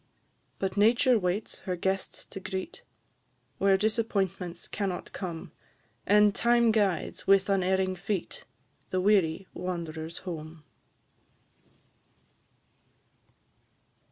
But Nature waits her guests to greet, Where disappointments cannot come, And Time guides, with unerring feet, The weary wanderers home.